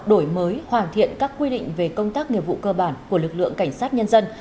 đổi mới hoàn thiện các quy định về công tác nghiệp vụ cơ bản của lực lượng cảnh sát nhân dân